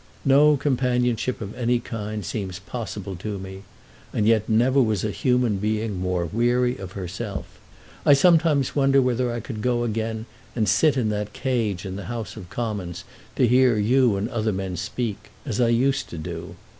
No companionship of any kind seems possible to me, and yet never was a human being more weary of herself. I sometimes wonder whether I could go again and sit in that cage in the House of Commons to hear you and other men speak, as I used to do.